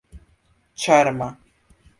ĉarma